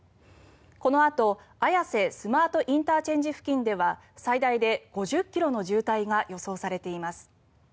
このあと綾瀬スマートＩＣ付近では最大で５０ｋｍの渋滞が予想されています。